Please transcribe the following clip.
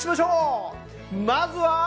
まずは。